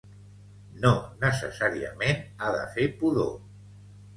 No necessàriament ha de fer pudor